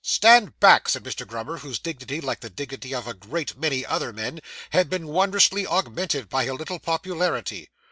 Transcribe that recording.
'Stand back,' said Mr. Grummer, whose dignity, like the dignity of a great many other men, had been wondrously augmented by a little popularity.